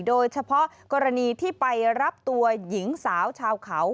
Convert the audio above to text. โดยเฉพาะกรณีที่ไปรับตัวหญิงสาวชาวเขา